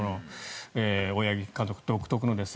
大八木監督独特のですが。